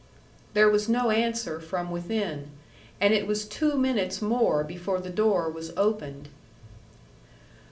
There was no answer from within, and it was two minutes more before the door was opened.